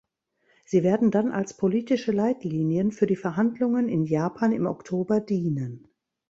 Sie werden dann als politische Leitlinien für die Verhandlungen in Japan im Oktober dienen.